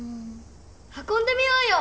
はこんでみようよ！